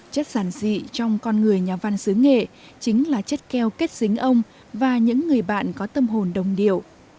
chất sản dị trong con người nhà văn xứ nghệ chính là chất keo kết dính ông và những người bạn có tâm hồn đồng điệu